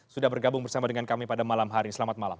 sudah bergabung bersama dengan kami pada malam hari ini selamat malam